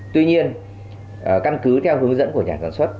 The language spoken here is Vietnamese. tuy nhiên căn cứ theo hướng dẫn của nhà sản xuất